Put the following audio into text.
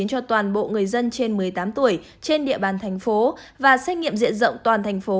cho toàn bộ người dân trên một mươi tám tuổi trên địa bàn thành phố và xét nghiệm diện rộng toàn thành phố